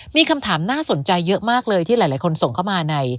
มีคำถามน่าสนใจเยอะมากเลยที่หลายคนส่งเข้ามาใน